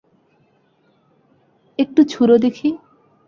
একটা ছুড়ো দেখি।